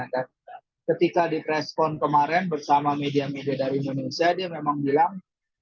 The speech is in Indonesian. ketika di preskon kemarin bersama media media dari indonesia dia memang bilang